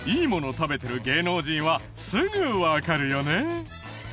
食べてる芸能人はすぐわかるよね？